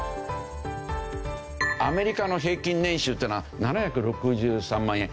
アメリカの平均年収っていうのは７６３万円。